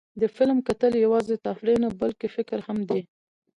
د فلم کتل یوازې تفریح نه، بلکې فکر هم دی.